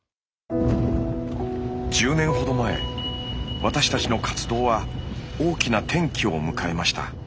１０年ほど前私たちの活動は大きな転機を迎えました。